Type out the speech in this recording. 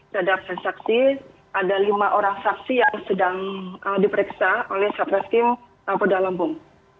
terhadap saksi ada lima orang saksi yang sedang diperiksa oleh satres kimpo restoran bandar lampung